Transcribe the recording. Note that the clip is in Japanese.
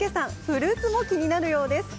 フルーツも気になるようです。